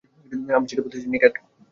আমি সেটা বলতে চাইনি, ক্যাট।